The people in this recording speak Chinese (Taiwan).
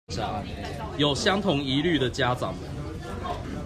有相同疑慮的家長們